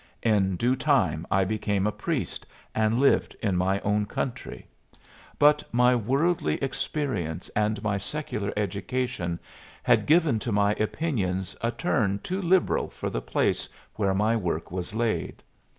In due time I became a priest and lived in my own country. But my worldly experience and my secular education had given to my opinions a turn too liberal for the place where my work was laid.